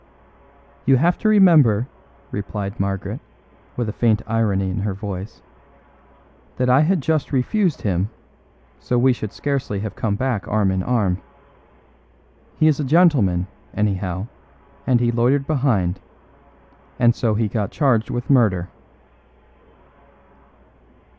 "You have to remember," replied Margaret, with a faint irony in her voice, "that I had just refused him, so we should scarcely have come back arm in arm. He is a gentleman, anyhow; and he loitered behind and so got charged with murder."